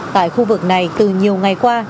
tại khu vực này từ nhiều ngày qua